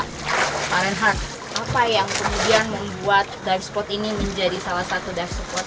reinhardt apa yang kemudian membuat dive spot ini menjadi salah satu dive spot yang menarik